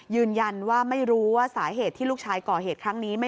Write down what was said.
ยืนยันว่าไม่รู้ว่าสาเหตุที่ลูกชายก่อเหตุครั้งนี้